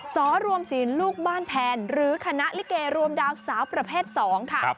สรวมศีลลูกบ้านแพนหรือคณะลิเกรวมดาวสาวประเภท๒ค่ะ